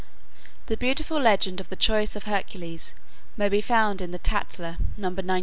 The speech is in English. The beautiful legend of the "Choice of Hercules" may be found in the "Tatler," No. 97.